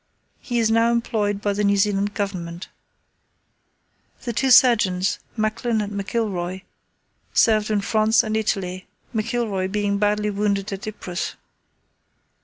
He is now employed by the New Zealand Government. The two surgeons, Macklin and McIlroy, served in France and Italy, McIlroy being badly wounded at Ypres.